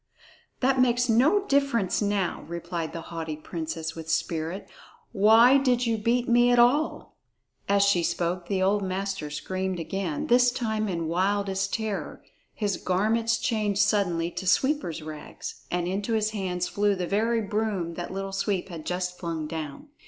"That makes no difference now," replied the haughty princess with spirit; "why did you beat me at all?" As she spoke, the old master screamed again, this time in wildest terror. His garments changed suddenly to sweeper's rags, and into his hands flew the very broom that Little Sweep had just flung down!